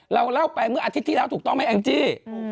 เราเล่าไปเมื่ออาทิตย์ที่แล้วถูกต้องไหมแองจี้